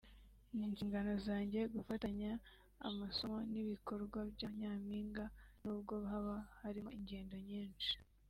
“ni inshingano zanjye gufatanya amasomo n’ibikorwa bya nyampinga n’ubwo haba harimo ingendo nyinshi